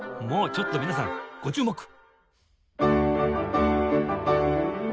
もうちょっと皆さんご注目！